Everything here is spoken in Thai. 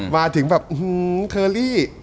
มาถึงแบบหื่อเทอลลี่